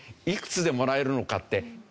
いくつでもらえるのかって